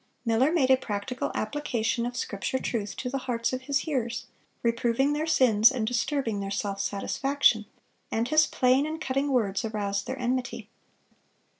Miller made a practical application of Scripture truth to the hearts of his hearers, reproving their sins and disturbing their self satisfaction, and his plain and cutting words aroused their enmity.